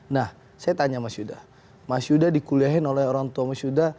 nah saya tanya mas yuda mas yuda dikuliahin oleh orang tua mas yuda